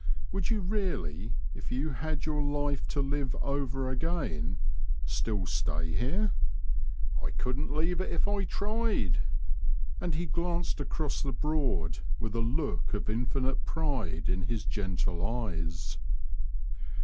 " Would you really, if you had your life to live over again, still stay here ?"I couldn't leave it if I tried; " and he glanced across the Broad with a look of infinite pride in his gentle eyes.